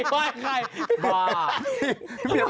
พี่บ่